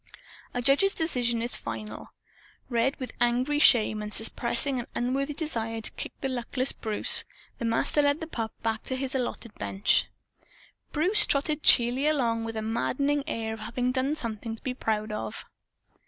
A judge's decision is final. Red with angry shame and suppressing an unworthy desire to kick the luckless Bruce, the Master led the pup back to his allotted bench. Bruce trotted cheerily along with a maddening air of having done something to be proud of.